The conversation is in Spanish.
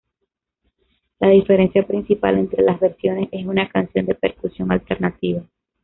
La diferencia principal entre las versiones es una canción de percusión alternativa.